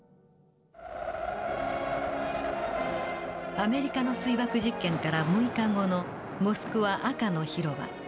アメリカの水爆実験から６日後のモスクワ赤の広場。